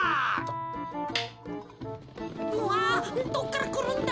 うわどっからくるんだ？